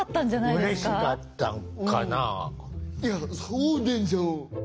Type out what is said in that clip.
いやそうでしょう。